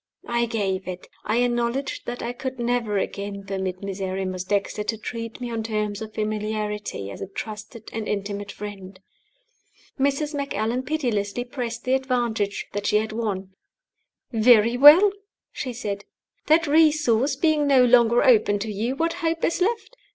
I gave it. I acknowledged that I could never again permit Miserrimus Dexter to treat me on terms of familiarity as a trusted and intimate friend. Mrs. Macallan pitilessly pressed the advantage that she had won. "Very well," she said, "that resource being no longer open to you, what hope is left?